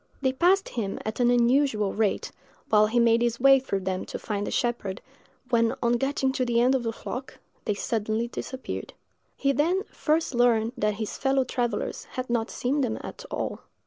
They passed him at an unusual rate, while he made his way through them to find the shepherd, when, on getting to the end of the flock, they suddenly disappeared. He then first learned that his fellow travellers had not seen them at all.